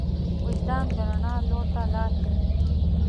وجدان د رڼا لور ته لار ښيي.